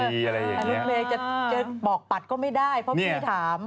รถเมย์จะบอกปัดก็ไม่ได้เพราะพี่ถาม